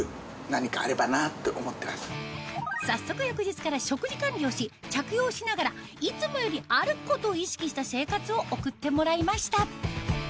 早速翌日から食事管理をし着用しながらいつもより歩くことを意識した生活を送ってもらいました